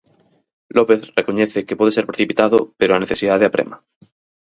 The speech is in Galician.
López recoñece que pode ser precipitado pero a necesidade aprema.